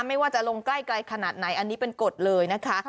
ไม่ว่าจะลงใกล้ขนาดไหนอันนี้เป็นกฎเลยนะคะ